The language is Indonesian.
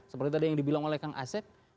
seperti tadi yang dibilang oleh kang asep